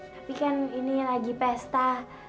tapi kan ini lagi pesta